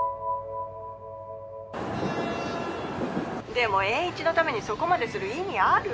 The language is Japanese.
☎でもエーイチのためにそこまでする意味ある？